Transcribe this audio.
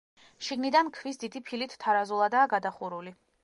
შიგნიდან ქვის დიდი ფილით თარაზულადაა გადახურული.